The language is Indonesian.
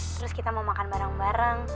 terus kita mau makan bareng bareng